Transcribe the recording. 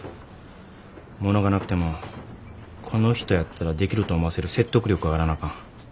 物がなくてもこの人やったらできると思わせる説得力があらなあかん。